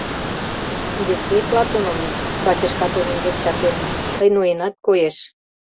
— Евсей Платонович, — бачышка тудын дек чакеме, — тый ноенат, коеш.